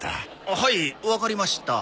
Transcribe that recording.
あっはいわかりました。